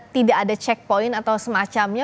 tidak ada checkpoint atau semacamnya